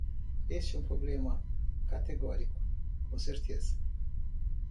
Este é um problema categórico, com certeza.